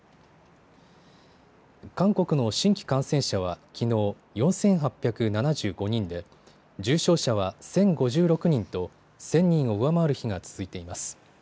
韓国の新規感染者はきのう４８７５人で重症者は１０５６人と１０００人を上回る日が続いています。